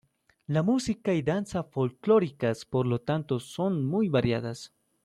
La música y danza folclóricas, por lo tanto, son muy variadas.